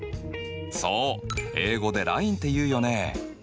そう英語でＬｉｎｅっていうよね。